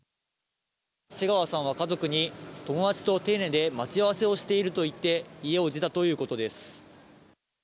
瀬川さんは家族に友達と手稲で待ち合わせをしていると言って家を出たということです。